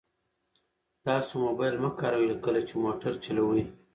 تاسو موبایل مه کاروئ کله چې موټر چلوئ.